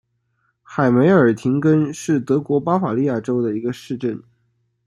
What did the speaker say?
海梅尔廷根是德国巴伐利亚州的一个市镇。